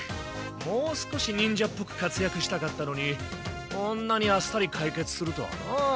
もう少し忍者っぽく活躍したかったのにこんなにあっさり解決するとはな。